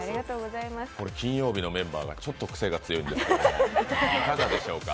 金曜日のメンバーがちょっとクセが強いんですけど、いかがでしょうか？